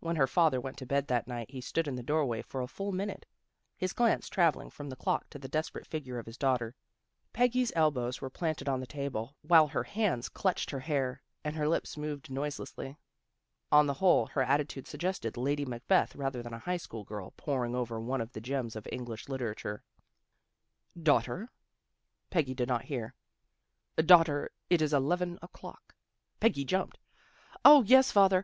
When her father went to bed that night he stood in the doorway for a full minute, his glance travelling from the clock to the desperate figure of his daughter. Peggy's elbows were planted on the table, while her hands clutched A DISAGREEMENT 223 her hair, and her lips moved noiselessly. On the whole, her attitude suggested Lady Macbeth rather than a high school girl, poring over one of the gems of English literature. " Daughter." Peggy did not hear. " Daughter, it is eleven o'clock." Peggy jumped. " O, yes, father.